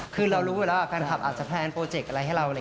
คือเรารู้ไว้แล้วว่าการขับอาจจะแพลนโปรเจกต์อะไรให้เรา